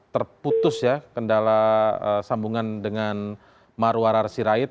terputus ya kendala sambungan dengan maruara rasyid